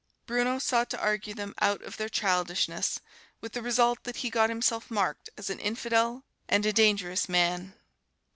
Bruno sought to argue them out of their childishness, with the result that he got himself marked as an infidel and a dangerous man.